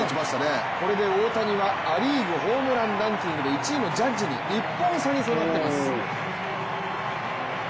これで大谷はア・リーグホームランランキングで、１位のジャッジに１本差に迫っています。